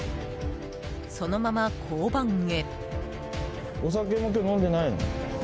そのまま交番へ。